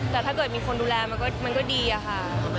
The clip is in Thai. แต่ถ้าเกิดมีคนดูแลมันก็ดีอะค่ะ